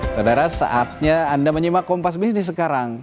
saudara saatnya anda menyimak kompas bisnis sekarang